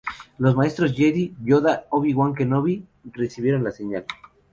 Los maestros "jedi" Yoda y Obi-Wan Kenobi recibieron la señal.